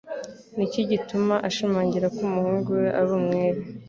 Niki gituma ashimangira ko umuhungu we ari umwere.